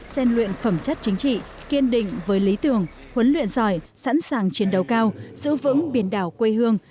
xen luyện phẩm chất chính trị kiên định với lý tưởng huấn luyện giỏi sẵn sàng chiến đấu cao giữ vững biển đảo quê hương